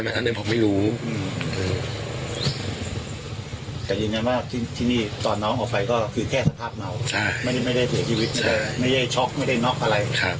ไม่ได้เปลี่ยนชีวิตไม่ได้ช็อกไม่ได้น็อกอะไร